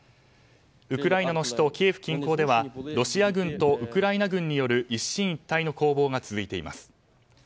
ウクライナの首都キエフ近郊ではロシア軍とウクライナ軍による一進一退の攻防が続いています。